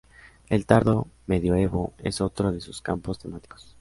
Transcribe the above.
El tardo medioevo es otro de sus campos temáticos.